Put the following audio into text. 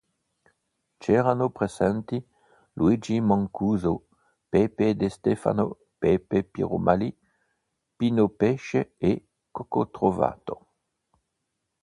C'erano presenti: Luigi Mancuso, Peppe De Stefano, Peppe Piromalli, Pino Pesce e Coco Trovato.